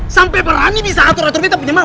sampai berani bisa atur atur beta punya mau